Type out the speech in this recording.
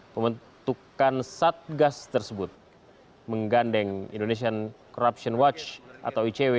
pembentukan satgas tersebut menggandeng indonesian corruption watch atau icw